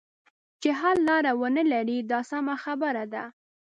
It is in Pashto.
چې حل لاره ونه لري دا سمه خبره ده.